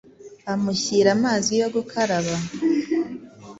amushyira amazi yo gukaraba